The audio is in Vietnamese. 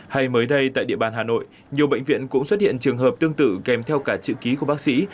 hay mới đây tại địa bàn hà nội nhiều bệnh viện cũng xuất hiện trường hợp tương tự kèm theo cả chữ ký của bác sĩ